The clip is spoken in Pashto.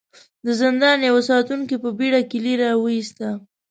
د زندان يوه ساتونکي په بېړه کيلې را وايسته.